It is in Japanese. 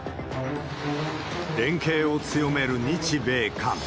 連携を強める日米韓。